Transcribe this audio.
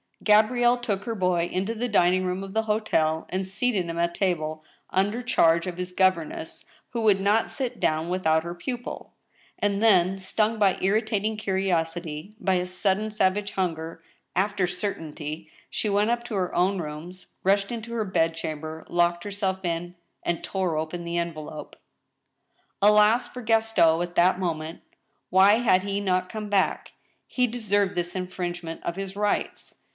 Gabrielle took her boy into the dining room of the hotel, and seated him at table under charge of his governess, who would not sit down without her pupil ; and then, stung by uritating curi osity, by a sudden savage hunger after certainty, she went up to her own rooms, rushed into her bedchamber, locked herself in, and tore open the envelope. ANOTHER VERDICT. 217 Alas for Gaston at that ipoment I Why hs^d he not come back ? He deserved this infringement of his rights.